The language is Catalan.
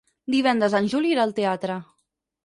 Divendres en Juli irà al teatre.